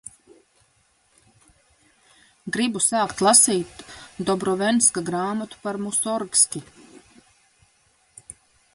Gribu sākt lasīt Dobrovenska grāmatu par Musorgski.